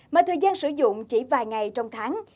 mà thời gian sử dụng chỉ vài ngày trong tháng